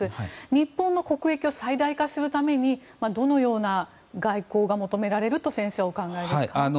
日本の国益を最大化するためにどのような外交が求められると先生はお考えですか？